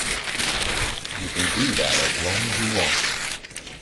You can do that as long as you want.